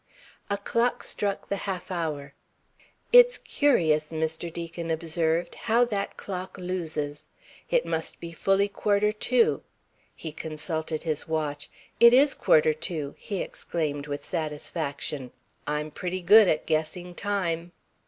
A clock struck the half hour. "It's curious," Mr. Deacon observed, "how that clock loses. It must be fully quarter to." He consulted his watch. "It is quarter to!" he exclaimed with satisfaction. "I'm pretty good at guessing time."